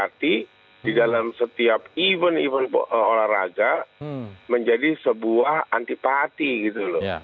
berarti di dalam setiap event event olahraga menjadi sebuah antipati gitu loh